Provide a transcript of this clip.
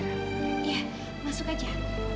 ya masuk aja